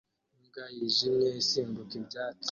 imbwa yijimye isimbuka ibyatsi